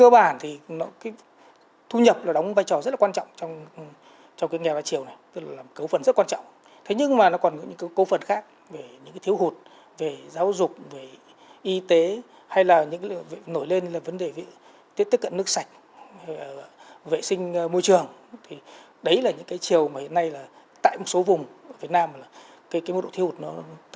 đấy là những chiều mà hiện nay tại một số vùng việt nam mức độ thi hụt tối đối cao